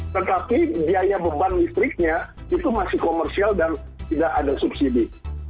tetapi biaya beban listriknya itu masih komersial dan tidak ada subsidi